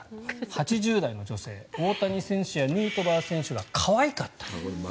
８０代の女性大谷選手やヌートバー選手が可愛かった。